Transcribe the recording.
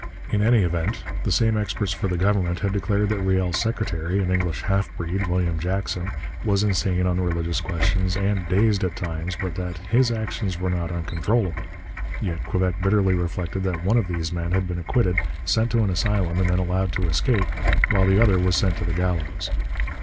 In any event, the same experts for the Government had declared that Riel's secretary, an English half breed, William Jackson, was insane on religious questions, and dazed at times, but that 'his actions were not uncontrollable'; yet Quebec bitterly reflected that one of these men had been acquitted, sent to an asylum and then allowed to escape, while the other was sent to the gallows.